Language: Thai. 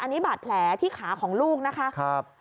อันนี้บาดแผลที่ขาของลูกนะคะ